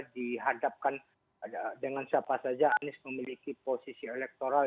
dihadapkan dengan siapa saja anies memiliki posisi elektoral